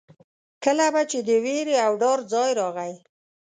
کله به چې د وېرې او ډار ځای راغی.